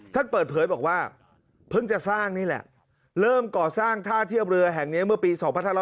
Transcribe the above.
ท่านเปิดเผยบอกว่าเพิ่งจะสร้างนี่แหละเริ่มก่อสร้างท่าเทียบเรือแห่งนี้เมื่อปี๒๕๕๙